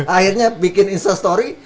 akhirnya bikin instastory